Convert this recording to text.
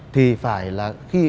thì phải là